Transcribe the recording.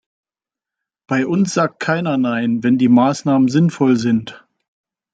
Bei uns sagt keiner nein, wenn die Maßnahmen sinnvoll sind.